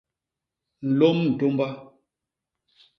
Nlôm ntômba.